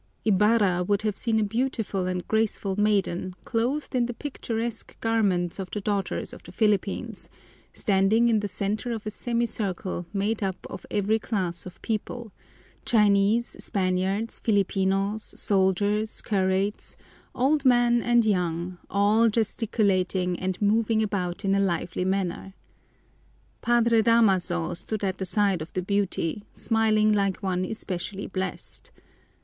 Ibarra would have seen a beautiful and graceful maiden, clothed in the picturesque garments of the daughters of the Philippines, standing in the center Of a semicircle made up of every class of people, Chinese, Spaniards, Filipinos, soldiers, curates, old men and young, all gesticulating and moving about in a lively manner. Padre Damaso stood at the side of the beauty, smiling like one especially blessed.